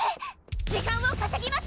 時間をかせぎます！